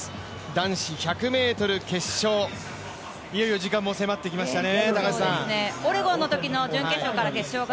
男子１００ｍ決勝、いよいよ時間も迫ってきましたね。